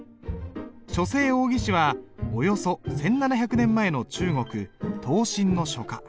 書聖王羲之はおよそ１，７００年前の中国東晋の書家。